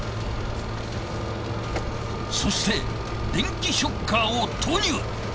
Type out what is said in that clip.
そして電気ショッカーを投入